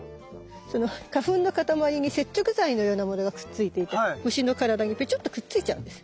その花粉のかたまりに接着剤のようなものがくっついていて虫の体にペチョっとくっついちゃうんです。